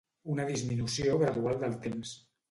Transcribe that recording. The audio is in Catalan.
Una disminució gradual del temps